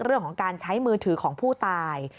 เรื่องของการใช้มือถือของผู้ตาย